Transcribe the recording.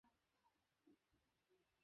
আপনি জাকারিয়া নন বলে কল্পনা করতে পারেন না।